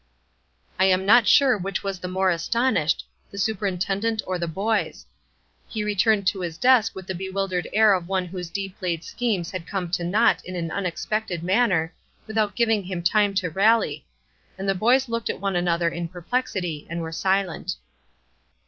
I am not sure which was the more astonished, the superintendent or the boys. He returned to his desk with the bewildered air of one whose deep laid schemes had come to naught in an unexpected manner without giving him time to rally; and the boys looked at one another in perplexity, and were silent.